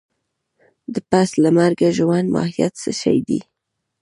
د پس له مرګه ژوند ماهيت څه شی دی؟